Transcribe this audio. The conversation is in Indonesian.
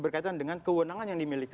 berkaitan dengan kewenangan yang dimiliki